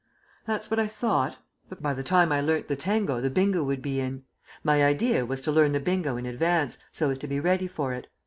"That's what I thought. By the time I learnt the tango, the bingo would be in. My idea was to learn the bingo in advance, so as to be ready for it.